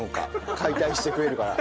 解体して食えるから。